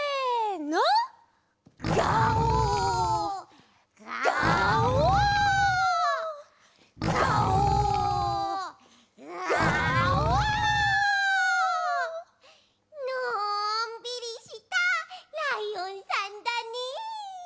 のんびりしたライオンさんだね。